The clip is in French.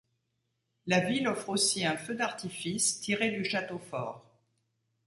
La ville offre aussi un feu d'artifice tiré du château fort.